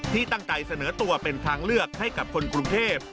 ที่ตั้งใจเสนอตัวเป็นทางเลือกให้กับคนกรุงเทพ